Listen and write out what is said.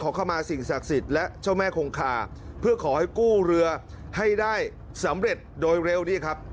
เข้ามาสิ่งศักดิ์สิทธิ์และเจ้าแม่คงคาเพื่อขอให้กู้เรือให้ได้สำเร็จโดยเร็วนี่ครับ